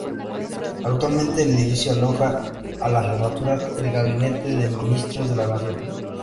Actualmente el edificio aloja a la Jefatura de Gabinete de Ministros de la Nación.